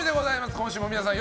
今週も皆さん